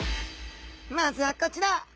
まずはこちら。